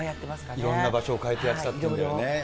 いろんな場所を変えてやってたということだよね。